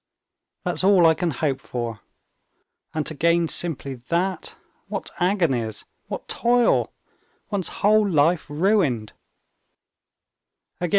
That's all I can hope for. And to gain simply that—what agonies, what toil!... One's whole life ruined!"